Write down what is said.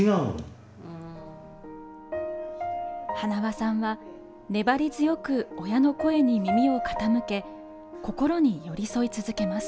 塙さんは、粘り強く親の声に耳を傾け心に寄り添い続けます。